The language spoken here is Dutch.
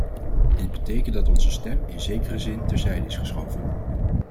Dit betekent dat onze stem in zekere zin terzijde is geschoven.